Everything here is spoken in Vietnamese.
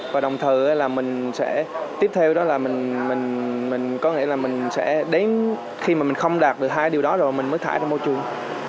và đồng thời là mình sẽ tiếp theo đó là mình có nghĩa là mình sẽ đến khi mà mình không đạt được hai điều đó rồi mình mới thải ra môi trường